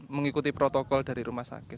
mengikuti protokol dari rumah sakit